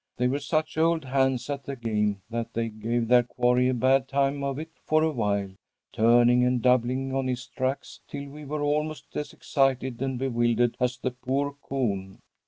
They were such old hands at the game that they gave their quarry a bad time of it for awhile, turning and doubling on his tracks till we were almost as excited and bewildered as the poor coon.